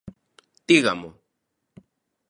Dígamo.